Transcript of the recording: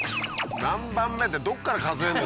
何番目ってどっから数えんのよ